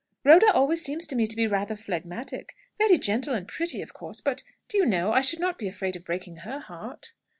"Rhoda always seems to me to be rather phlegmatic; very gentle and pretty, of course. But, do you know, I should not be afraid of her breaking her heart."